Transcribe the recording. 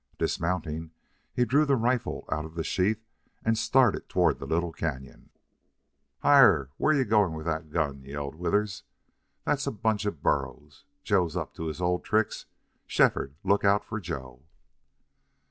Dismounting, he drew the rifle out of the sheath and started toward the little cañon. "Hyar! Where you going with that gun?" yelled Withers. "That's a bunch of burros.... Joe's up to his old tricks. Shefford, look out for Joe!"